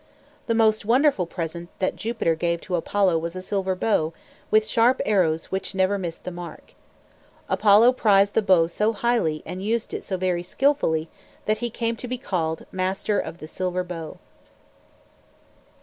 The most wonderful present that Jupiter gave to Apollo was a silver bow, with sharp arrows which never missed the mark. Apollo prized the bow so highly and used it so very skillfully, that he came to be called "Master of the Silver Bow."